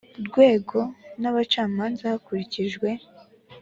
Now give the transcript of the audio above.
rwego n abacamanza hakurikijwe